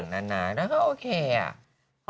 แล้วก็โอเคอะ